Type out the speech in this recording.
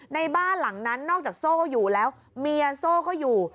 ในบ้านหลังนั้นนอกจากโซ่อยู่แล้วเมียโซ่ก็อยู่